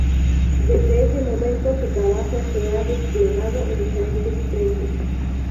Desde ese momento su trabajo se ha desplegado en diferentes frentes.